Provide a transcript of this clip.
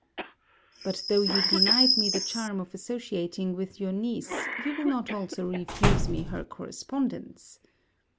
But though you denied me the charm of associating with your niece, you will not also refuse me her correspondence?